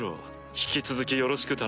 引き続きよろしく頼む。